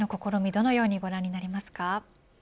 どのようにご覧になりますか。